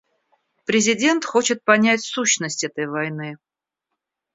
Президент хочет понять сущность этой войны.